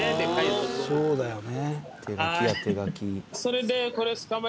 そうだよね。